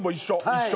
一緒？